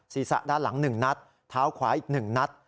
ศีรษะด้านหลัง๑นัดเท้าขวาอีก๑นัด